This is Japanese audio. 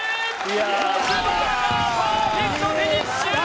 モスバーガーパーフェクトフィニッシュ！